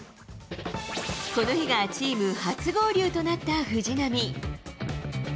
この日がチーム初合流となった藤浪。